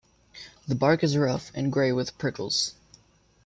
The bark is rough and gray with prickles.